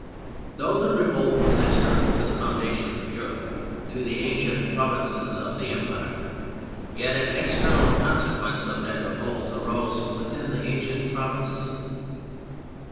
Though the revolt was external to the foundations of Europe, to the ancient provinces of the Empire, yet an external consequence of that revolt arose within the ancient provinces.